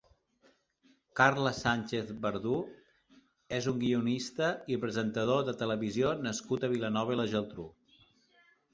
Carles Sànchez Verdú és un guionista i presentador de televisió nascut a Vilanova i la Geltrú.